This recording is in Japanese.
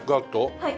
はい。